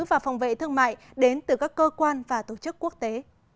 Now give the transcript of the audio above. và phòng vệ thương mại đến từ các cơ quan và tổ chức quốc tế